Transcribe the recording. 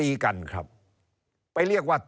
เริ่มตั้งแต่หาเสียงสมัครลง